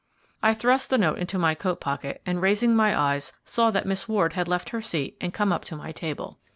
I thrust the note into my coat pocket and, raising my eyes, saw that Miss Ward had left her seat and come up to my table.